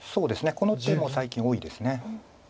この手も最近多いです。